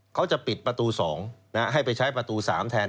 เขาจะปิดประตู๒ให้ไปใช้ประตู๓แทน